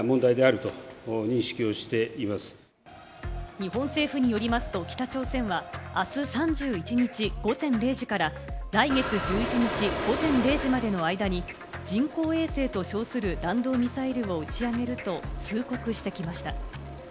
日本政府によりますと北朝鮮は、あす３１日午前０時から来月１１日午前０時までの間に人工衛星と称する、弾道ミサイルを打ち上げると通告してきました。